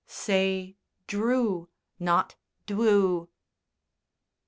"Say 'drew,' not 'dwew.'"